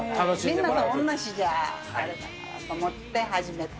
みんなと同じじゃあれだからと思って、始めた。